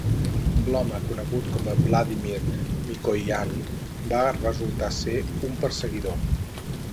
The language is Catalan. L'home conegut com Vladimir Mikoian va resultar ser un perseguidor.